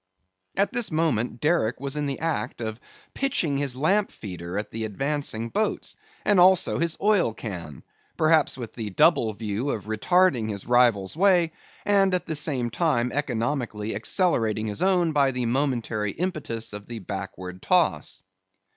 At this moment Derick was in the act of pitching his lamp feeder at the advancing boats, and also his oil can; perhaps with the double view of retarding his rivals' way, and at the same time economically accelerating his own by the momentary impetus of the backward toss.